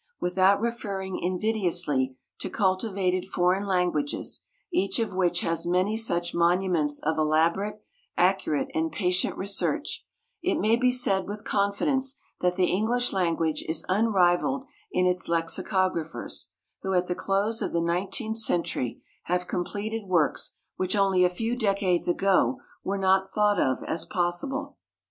Without referring invidiously to cultivated foreign languages, each of which has many such monuments of elaborate, accurate, and patient research, it may be said with confidence that the English language is unrivaled in its lexicographers, who at the close of the nineteenth century have completed works which only a few decades ago were not thought of as possible.